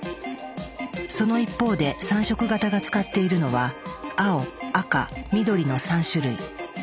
その一方で３色型が使っているのは青・赤・緑の３種類。